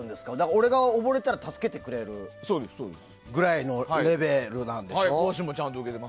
俺が溺れたら助けてくれるぐらいのレベルなんでしょ？